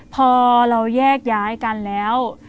พอเราแยกย้ายกันแล้ว